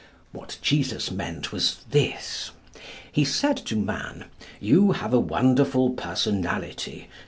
What Jesus meant, was this. He said to man, 'You have a wonderful personality.